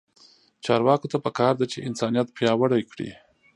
چارواکو ته پکار ده چې، انسانیت پیاوړی کړي.